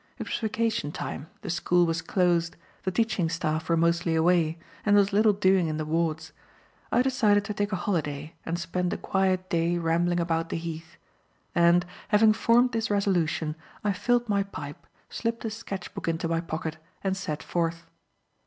It was vacation time; the school was closed; the teaching staff were mostly away, and there was little doing in the wards. I decided to take a holiday and spend a quiet day rambling about the Heath, and, having formed this resolution, I filled my pipe, slipped a sketch book into my pocket, and set forth.